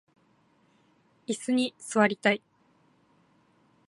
いすに座りたい